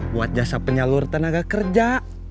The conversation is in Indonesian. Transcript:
buat jasa penyalur tenaga kerja